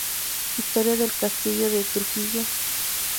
Historia del castillo de Trujillo.